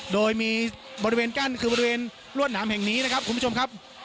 โดยมีบริเวณกั้นคือบริเวณรวดหนามแห่งนี้นะครับคุณผู้ชมครับ